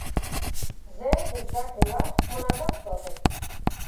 زه د زدهکړې وخت منظم ساتم.